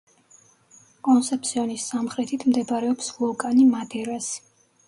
კონსეფსიონის სამხრეთით მდებარეობს ვულკანი მადერასი.